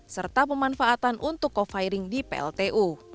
serta pemanfaatan untuk coviring di pltu